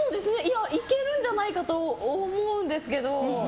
いけるんじゃないかと思うんですけど。